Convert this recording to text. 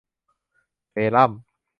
เซรั่ม